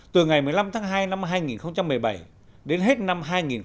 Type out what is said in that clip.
từ ngày một mươi năm tháng hai năm hai nghìn một mươi bảy đến hết năm hai nghìn một mươi chín